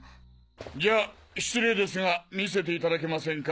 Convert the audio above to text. じゃあ失礼ですが見せていただけませんか？